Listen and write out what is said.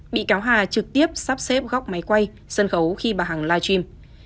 bị cáo hà trực tiếp sắp xếp góc máy quay sân khấu khi bà hằng live stream